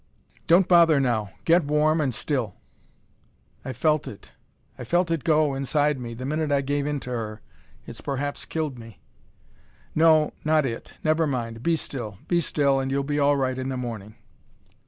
"Don't bother now. Get warm and still " "I felt it I felt it go, inside me, the minute I gave in to her. It's perhaps killed me." "No, not it. Never mind, be still. Be still, and you'll be all right in the morning."